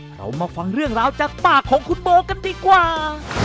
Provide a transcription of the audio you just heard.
เรามาฟังเรื่องราวจากปากของคุณโบกันดีกว่า